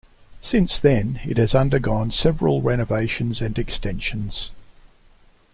Since then it has undergone several renovations and extensions.